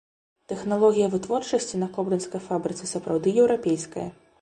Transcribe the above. Тэхналогія вытворчасці на кобрынскай фабрыцы сапраўды еўрапейская.